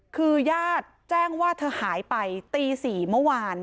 คือญาติแจ้งว่าเธอหายไปตี๔เมื่อวาน